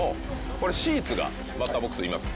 これシーツがバッターボックスにいます。